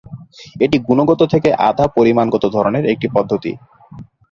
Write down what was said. এটি গুণগত থেকে আধা-পরিমাণগত ধরনের একটি পদ্ধতি।